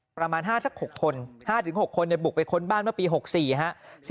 ประมาณ๕๖คน๕๖คนบุกไปค้นบ้านเมื่อปี๖๔ฮะ